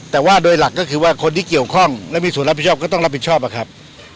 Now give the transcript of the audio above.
แต่ว่าโดยหลักก็คือว่าคนที่เกี่ยวข้องและมีส่วนรับผิดชอบก็ต้องรับผิดชอบอะครับ